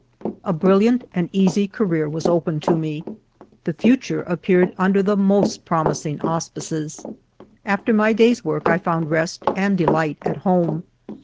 A brilliant and easy career was open to me ; the future appeared under the most promising auspices. After my day's work I found rest and delight at home.